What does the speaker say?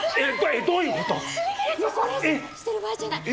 予行演習してる場合じゃない。